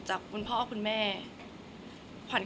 คนเราถ้าใช้ชีวิตมาจนถึงอายุขนาดนี้แล้วค่ะ